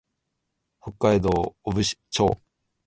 北海道雄武町